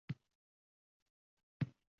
Shu payt koʻzi stol ustidagi qogʻozga tushdi